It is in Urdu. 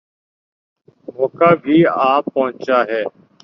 موقع بھی آن پہنچا ہے۔